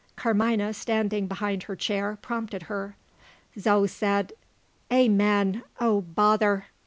Carmina, standing behind her chair, prompted her. Zo said "Amen; oh, bother!"